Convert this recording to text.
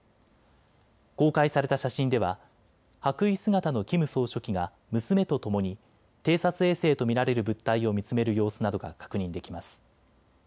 公開された写真では白衣姿のキム総書記が娘とともに偵察衛星と見られる物体を見つめる様子などが確認できます。